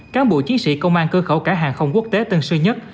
cáng bộ chiến sĩ công an cửa khẩu cảng hàng không quốc tế tân sơn nhất